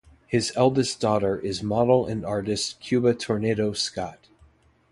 His eldest daughter is model and artist Cuba Tornado Scott.